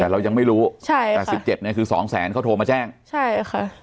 แต่เรายังไม่รู้ใช่แต่คือสองแสนเขาโทรมาแจ้งใช่ค่ะ